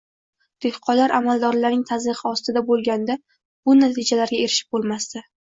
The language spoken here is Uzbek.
Dehqonlar amaldorlarning tazyiqi ostida bo‘lganda bu natijalarga erishib bo‘lmasdi.